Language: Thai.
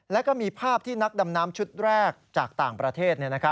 แล้วก็มีภาพที่นักดำน้ำชุดแรกจากต่างประเทศ